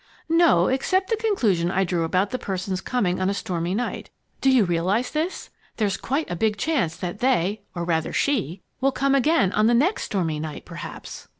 "No, except the conclusion I drew about the person's coming on a stormy night. Do you realize this? there's quite a big chance that they or rather, she! will come again on the next stormy night perhaps!"